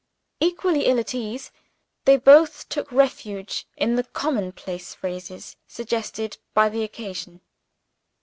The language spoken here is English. Equally ill at ease, they both took refuge in the commonplace phrases suggested by the occasion.